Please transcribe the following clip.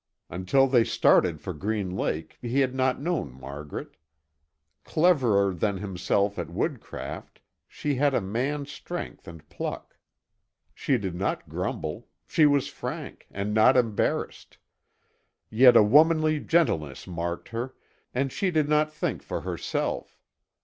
Until they started for Green Lake, he had not known Margaret. Cleverer than himself at woodcraft, she had a man's strength and pluck. She did not grumble; she was frank and not embarrassed. Yet a womanly gentleness marked her, and she did not think for herself.